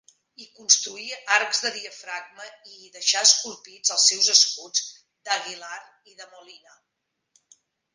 Hi construí arcs de diafragma i hi deixà esculpits els escuts d’Aguilar i de Molina.